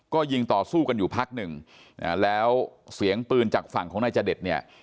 ก็ยิงต่อสู้กันอยู่พักหนึ่งแล้วเสียงปืนจากฝั่งของนายจเดชเนี่ย